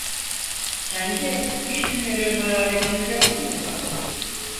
Sende ilk günlerin hararetini görmüyorum.